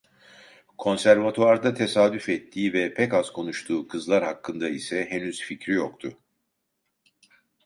Konservatuvarda tesadüf ettiği ve pek az konuştuğu kızlar hakkında ise henüz fikri yoktu.